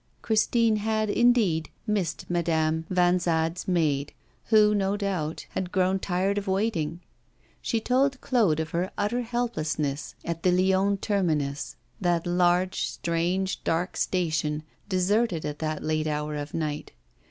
Christine had, indeed, missed Madame Vanzade's maid, who, no doubt, had grown tired of waiting. She told Claude of her utter helplessness at the Lyons terminus that large, strange, dark station, deserted at that late hour of night.